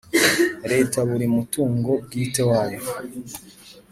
Leta buri mu mutungo bwite wayo